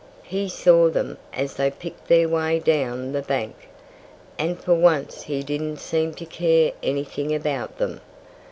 He saw them as they picked their way down the bank. And for once he didn't seem to care anything about them.